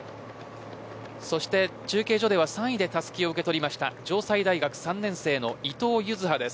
そして中継所では３位でたすきを受け取った城西大学３年生の伊藤柚葉です。